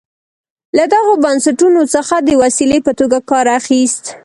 له دغو بنسټونو څخه د وسیلې په توګه کار اخیست.